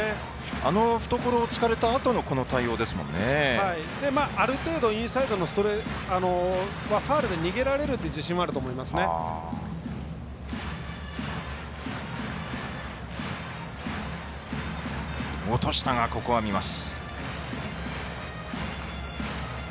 あの懐を突かれたあとのある程度インサイドのストレートファウルで逃げられるという落としたがここは見ます。